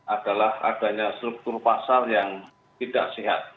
adalah adanya struktur pasar yang tidak sehat